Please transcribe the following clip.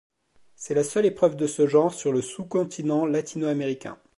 C'est la seule épreuve de ce genre sur le sous-continent latino-américain.